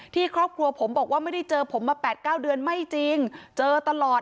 ครอบครัวผมบอกว่าไม่ได้เจอผมมา๘๙เดือนไม่จริงเจอตลอด